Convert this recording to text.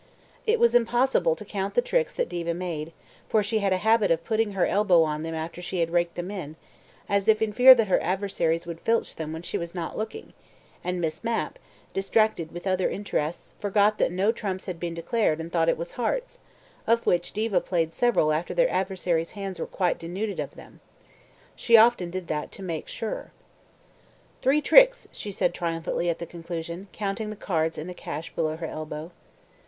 It was impossible to count the tricks that Diva made, for she had a habit of putting her elbow on them after she had raked them in, as if in fear that her adversaries would filch them when she was not looking, and Miss Mapp, distracted with other interests, forgot that no trumps had been declared and thought it was hearts, of which Diva played several after their adversaries' hands were quite denuded of them. She often did that "to make sure". "Three tricks," she said triumphantly at the conclusion, counting the cards in the cache below her elbow.